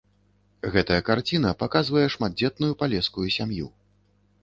Гэтая карціна паказвае шматдзетную палескую сям'ю.